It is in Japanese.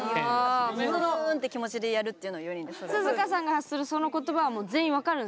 ブーンって気持ちでやるっていうのを４人で。